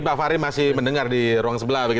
terima kasih mendengar di ruang sebelah